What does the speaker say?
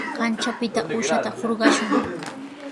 Kanchapita uushata hurqashun.